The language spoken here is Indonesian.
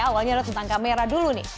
awalnya adalah tentang kamera dulu nih